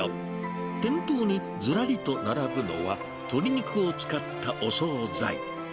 店頭にずらりと並ぶのは、鶏肉を使ったお総菜。